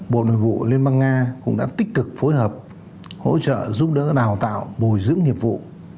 bộ nội vụ liên bang nga cũng đã tích cực phối hợp hỗ trợ giúp đỡ đào tạo bồi dưỡng nghiệp vụ